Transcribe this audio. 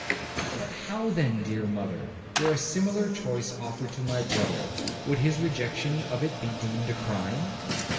'But how then, dear mother, were a similar choice offered to my brother, would his rejection of it be deemed a crime?'